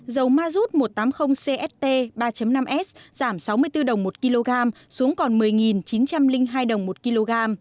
dầu mazut một trăm tám mươi cst ba năm s giảm sáu mươi bốn đồng một kg xuống còn một mươi chín trăm linh hai đồng một kg